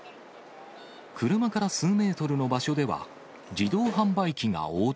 車から数メートルの場所では、自動販売機が横転。